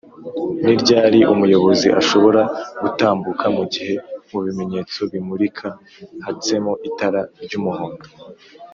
ni ryari umuyobozi ashobora gutambuka mugihe mubimenyetso bimurika hatsemo itara ry’umuhondo?